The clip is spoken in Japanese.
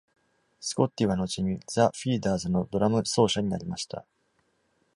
スコッティは後に「The Feederz」のドラム奏者になりました。